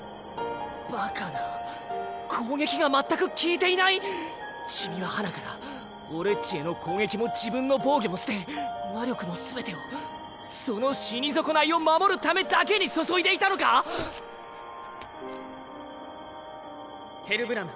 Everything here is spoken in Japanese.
バカな攻撃が全く効いていない⁉チミははなから俺っちへの攻撃も自分の防御も捨て魔力の全てをその死に損ないを守るためだけに注いでいたのか⁉ヘルブラム。